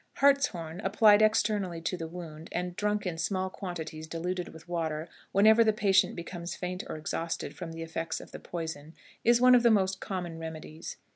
Hartshorn applied externally to the wound, and drunk in small quantities diluted with water whenever the patient becomes faint or exhausted from the effects of the poison, is one of the most common remedies.